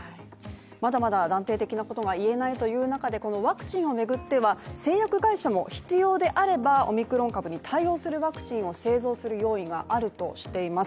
まだまだ断定的なことが言えないという中でワクチンを巡っては製薬会社も必要であればオミクロン株に対応するワクチンを製造する用意があるとしています。